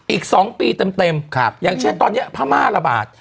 อีก๒ปีเต็มอย่างเช่นตอนนี้พม่าระบาด